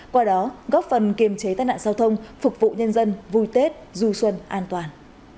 qua đó góp phần kiềm chế tai nạn giao thông phục vụ nhân dân vui tết du xuân an toàn